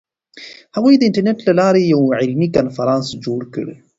هغوی د انټرنیټ له لارې یو علمي کنفرانس جوړ کړ.